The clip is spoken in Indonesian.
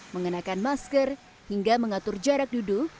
mengenakan masker hingga mengatur jarak duduk